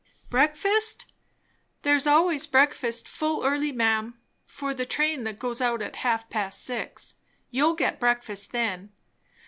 "Breakfast? there's always breakfast full early, ma'am, for the train that goes out at half past six. You'll get breakfast then.